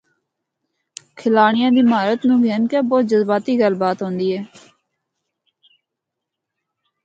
کھلاڑیاں دی مہارت نوں گھن کے بہت جذباتی گل بات ہوندی اے۔